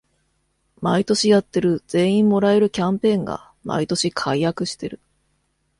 毎年やってる全員もらえるキャンペーンが毎年改悪してる